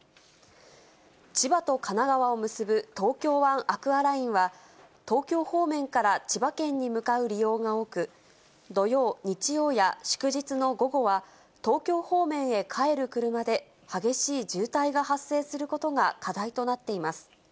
千葉と神奈川を結ぶ東京湾アクアラインは、東京方面から千葉県に向かう利用が多く、土曜、日曜や祝日の午後は、東京方面へ帰る車で激しい渋滞が発生することが課題となっています。